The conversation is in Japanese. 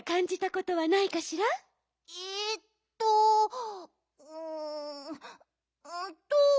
えっとうんうんと。